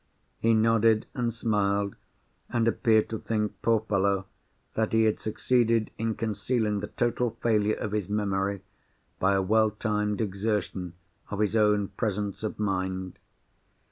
He nodded and smiled, and appeared to think, poor fellow, that he had succeeded in concealing the total failure of his memory, by a well timed exertion of his own presence of mind.